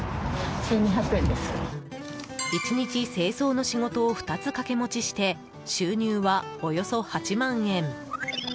１日、清掃の仕事を２つ掛け持ちして収入はおよそ８万円。